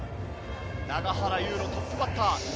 永原悠路、トップバッター。